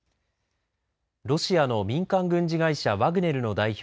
ロシアの民間軍事会社ワグネルの代表